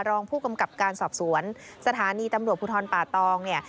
รองผู้กำกับการสอบสวนสถานีตำรวจภูทรป่าตองเนี่ย